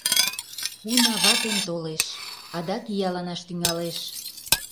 Уна, ватем толеш... адак ияланаш тӱҥалеш.